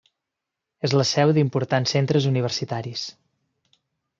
És la seu d'importants centres universitaris.